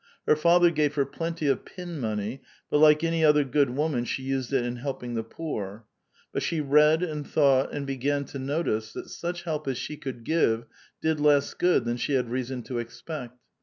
Her father gave her plenty of pin money, but like any other good woman she used it in helping the poor. But she read and thought and began to notice that such help as she could give did less good than she had reason to expect.